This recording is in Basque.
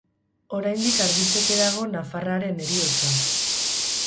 Oraindik argitzeke dago nafarraren heriotza.